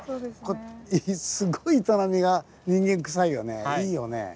すごい営みが人間くさいよね。